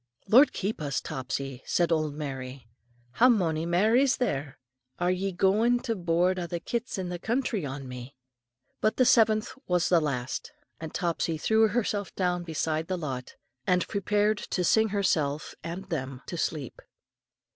"Lord keep us, Topsy," said old Mary. "How mony mair is there? Are ye goin' to board a' the kits in the country on me?" But the seventh was the last, and Topsy threw herself down beside the lot, and prepared to sing herself and them to sleep.